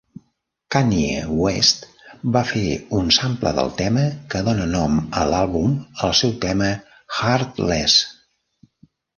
Kanye West va fer un sample del tema que dóna nom a l'àlbum al seu tema "Heartless".